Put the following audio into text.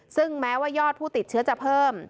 ซึ่งแม้ว่ายอดผู้ติดเชื้อจะเพิ่ม